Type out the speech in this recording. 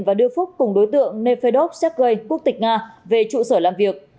và đưa phúc cùng đối tượng nefedok shekgay quốc tịch nga về trụ sở làm việc